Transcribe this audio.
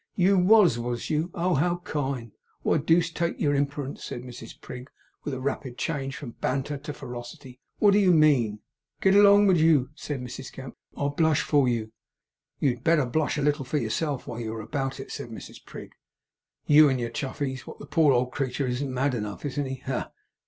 'YOU was, was you? Oh, how kind! Why, deuce take your imperence,' said Mrs Prig, with a rapid change from banter to ferocity, 'what do you mean?' 'Go along with you!' said Mrs Gamp. 'I blush for you.' 'You had better blush a little for yourself, while you ARE about it!' said Mrs Prig. 'You and your Chuffeys! What, the poor old creetur isn't mad enough, isn't he? Aha!